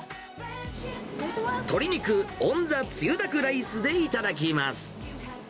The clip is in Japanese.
鶏肉・オン・ザ・つゆだくライスで頂きます。